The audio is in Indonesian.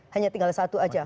hanya tinggal satu aja